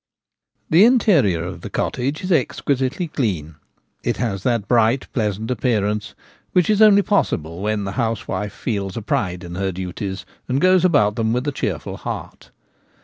The interior of the cottage is exquisitely clean ; it has that bright pleasant appearance which is only possible when the housewife feels a pride in her duties, and goes about them with a cheerful heart.